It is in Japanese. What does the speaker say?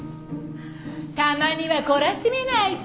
たまには懲らしめないと。